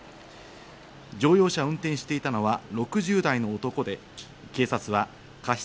乗用車を運転していたのは６０代の男で、警察は過失